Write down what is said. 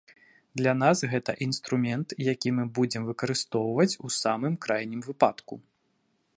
Для нас гэта інструмент, які мы будзем выкарыстоўваць у самым крайнім выпадку.